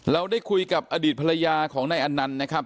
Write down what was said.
เราได้คุยกับอดีตภรรยาของนายอนันต์นะครับ